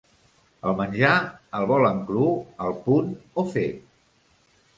El menjar, el volen cru, al punt o fet?